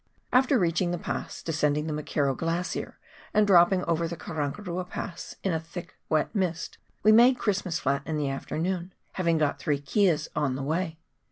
After reaching the Pass, descending the McKerrow Glacier, and dropping over the Karangarua Pass in a thick wet mist, we made Christmas Flat in the afternoon, having got three keas on the way.